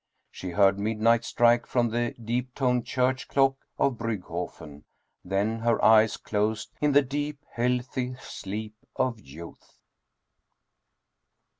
She heard midnight strike from the deep toned church clock of Briigghofen, then her eyes closed in the deep healthy sleep of youth.